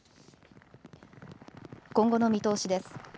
今後の見通しです。